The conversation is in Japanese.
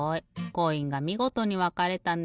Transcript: コインがみごとにわかれたね。